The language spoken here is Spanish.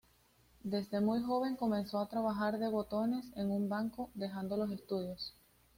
Desde muy joven comenzó a trabajar de botones en un banco, dejando los estudios.